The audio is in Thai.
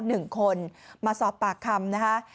หนึ่งคนมาสอบปากคำนะคะ